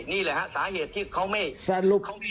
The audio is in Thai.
นี่แหละฮะสาเหตุที่เขาไม่